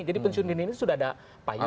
jadi pensiun dini ini sudah ada payungnya